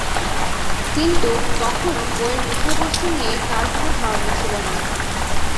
কিন্তু তখনও বইয়ের বিষয়বস্তু নিয়ে তাঁর কোনো ধারণা ছিলনা।